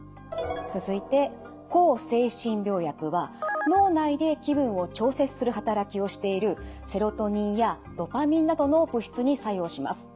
続いて抗精神病薬は脳内で気分を調節する働きをしているセロトニンやドパミンなどの物質に作用します。